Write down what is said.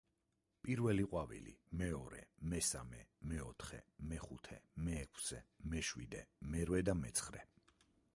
პირველი ყვავილი, მეორე, მესამე, მეოთხე, მეხუთე, მეექვსე, მეშვიდე, მერვე და მეცხრე.